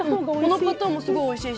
このパターンもすごいおいしい。